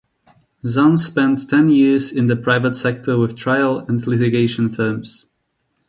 Zahn spent ten years in the private sector with trial and litigation firms.